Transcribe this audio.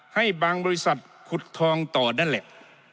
ให้บางบริษัทขุดทองต่อนั่นแหละ